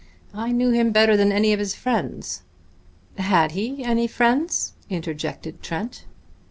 I knew him better than any of his friends." "Had he any friends?" interjected Trent. Mr.